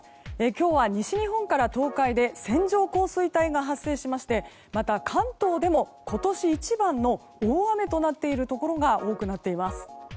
今日は西日本から東海で線状降水帯が発生しましてまた、関東でも今年一番の大雨となっているところが多くなっています。